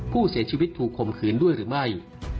ผู้เสียชีวิตถูกคมคืนด้วยหรือไม่